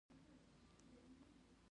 د محبسونو اداره بندیان څنګه ساتي؟